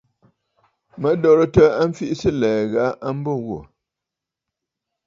Mə̀ dòrɨ̀tə a mfiʼisə̂ ɨ̀lɛ̀ɛ̂ gha a mbo wò.